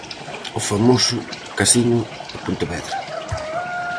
Ao famoso Casino de Pontevedra.